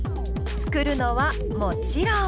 作るのはもちろん。